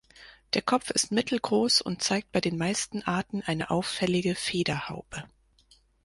Der Kopf ist mittelgroß und zeigt bei den meisten Arten eine auffällige Federhaube.